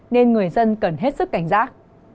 nên người dân cần hết sức cảnh giác